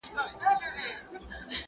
د روسیې استازی له امیر سره خبري کوي.